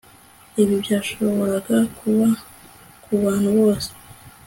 ibi byashoboraga kuba kubantu bose